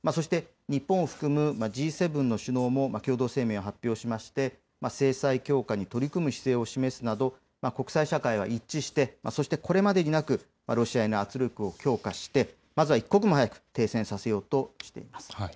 日本を含むＧ７の首脳も共同声明を発表していまして制裁強化に取り組む姿勢を示すなど国際社会は一致して、そしてこれまでになくロシアへの圧力を強化して、まずは一刻も早く停戦させようとしています。